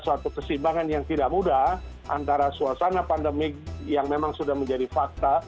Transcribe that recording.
suatu kesimbangan yang tidak mudah antara suasana pandemik yang memang sudah menjadi fakta